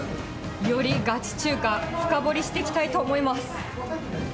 よりガチ中華、深掘りしてきたいと思います。